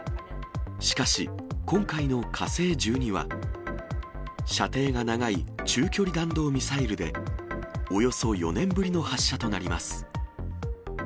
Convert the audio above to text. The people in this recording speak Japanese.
しかし、今回の火星１２は、射程が長い中距離弾道ミサイルで、およそ４年ぶりの発射となります。